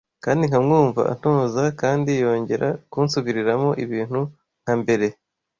kandi nkamwumva antoza kandi yongera kunsubiriramo ibintu nka mbere